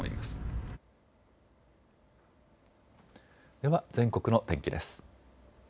では全国の天気です。